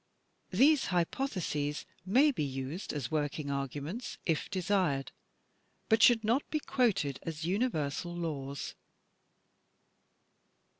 These hypotheses may be used as working arguments, if desired, but should not be quoted as imiversal laws.